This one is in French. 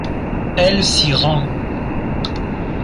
Elle s'y rend.